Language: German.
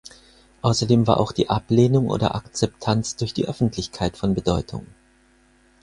Außerdem war auch die Ablehnung oder Akzeptanz durch die Öffentlichkeit von Bedeutung.